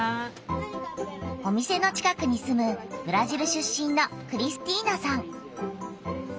お店の近くに住むブラジル出身のクリスティーナさん。